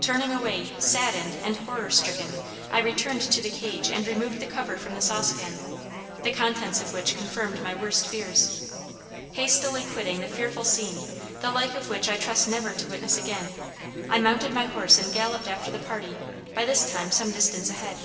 Turning away saddened and horror stricken, I returned to the cage and removed the cover from the saucepan, the contents of which confirmed my worst fears. Hastily quitting the fearful scene, the like of which I trust never to witness again, I mounted my horse and galloped after the party, by this time some distance ahead.